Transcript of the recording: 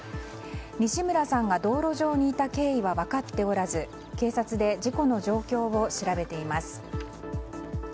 西村さんが道路上にいた経緯は分かっておらず警察で事故の状況を調べています。